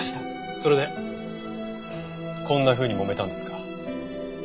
それでこんなふうに揉めたんですか？